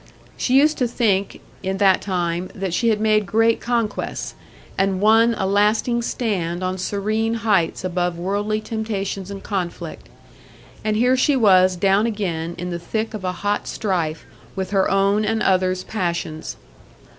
She used to think in that time that she had made great conquests, and won a lasting stand on serene heights above worldly temptations and conflict. And here she was down again in the thick of a hot strife with her own and others' passions.